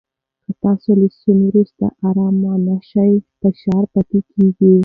که تاسو له سونا وروسته ارام نه شئ، فشار پاتې کېږي.